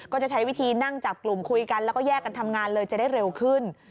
ก็จะใช้วิธีนั่งจับกลุ่มคุยกันแล้วก็แยกกันทำงานเลยจะได้เร็วขึ้น